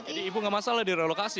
jadi ibu gak masalah direlokasi